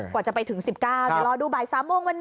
กว่าจะไปถึง๑๙เดี๋ยวรอดูบ่าย๓โมงวันนี้